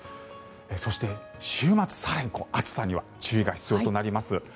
そして、週末最後暑さには注意が必要となります。